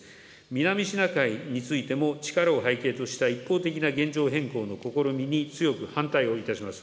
南シナ海についても、力を背景とした一方的な現状変更の試みに強く反対をいたします。